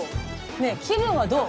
ねえ気分はどう？